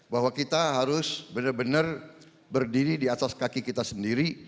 bahwa kita harus benar benar berdiri di atas kaki kita sendiri